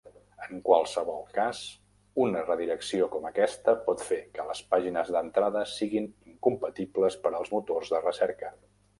En qualsevol cas, una redirecció com aquesta pot fer que les pàgines d'entrada siguin incompatibles per als motors de recerca.